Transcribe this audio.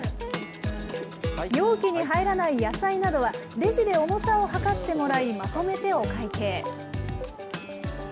容器に入らない野菜などは、レジで重さを量ってもらい、まとめてお会計。